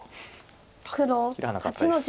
切らなかったです。